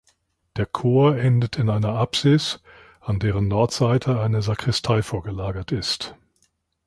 Der Chor endet in einer Apsis, an deren Nordseite eine Sakristei vorgelagert ist.